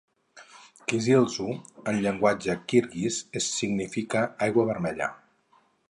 "Kizilsu" en llenguatge kirguís significa "aigua vermella".